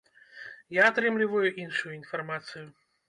Я атрымліваю іншую інфармацыю.